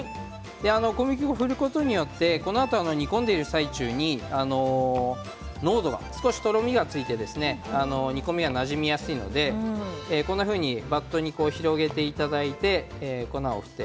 小麦粉を振ることによってこのあと煮込んでいる最中に濃度が少しとろみがついて煮込みがなじみやすいのでこんなふうにバットに広げていただいて粉を振って。